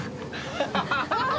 「ハハハハ！」